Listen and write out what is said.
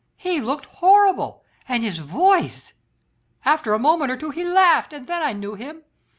He looked horrible, and his voice ...! After a moment or two he laughed, and then I knew him.